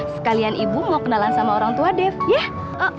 sekalian ibu mau kenalan sama orang tua def ya